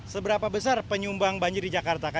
seberapa besar penyumbang banjir di jakarta